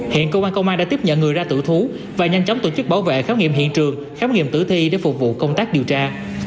hiện cơ quan công an đã tiếp nhận người ra tử thú và nhanh chóng tổ chức bảo vệ khám nghiệm hiện trường khám nghiệm tử thi để phục vụ công tác điều tra